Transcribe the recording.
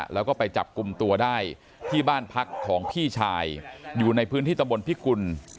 แล้วก็ไปจับกลุ่มตัวได้ที่บ้านพักของพี่ชายอยู่ในพื้นที่ตะบนพิกุล